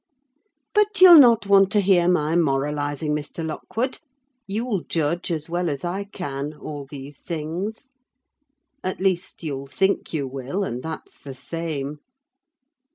But you'll not want to hear my moralising, Mr. Lockwood; you'll judge, as well as I can, all these things: at least, you'll think you will, and that's the same.